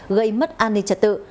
gây mất an ninh trật tự